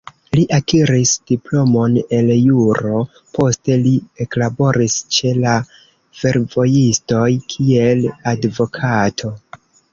Li akiris diplomon el juro, poste li eklaboris ĉe la fervojistoj kiel advokato.